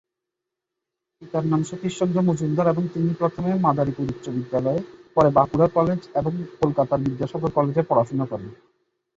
পিতার নাম সতীশ চন্দ্র মজুমদার এবং তিনি প্রথমে মাদারীপুর উচ্চ বিদ্যালয়ে, পরে বাঁকুড়া কলেজ এবং কলকাতার বিদ্যাসাগর কলেজে পড়াশুনা করেন।